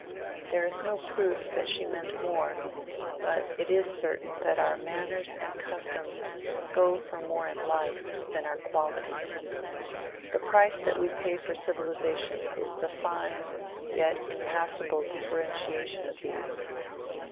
There is no proof that she meant more, but it is certain that our manners and customs go for more in life than our qualities. The price that we pay for civilisation is the fine yet impassable differentiation of these.